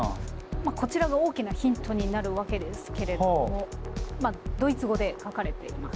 まあこちらが大きなヒントになるわけですけれどもドイツ語で書かれています。